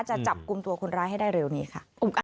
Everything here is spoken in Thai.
จะจับกลุ่มตัวคนร้ายให้ได้เร็วนี้ค่ะ